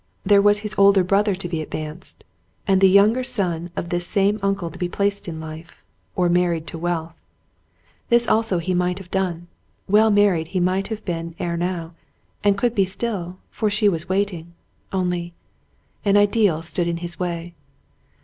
There was his older brother to be advanced, and the younger son of this same uncle to be placed in life, or married to wealth. This also he might have done ; well married he might have been ere now, and could be still, for she was waiting — only — an ideal stood in his way.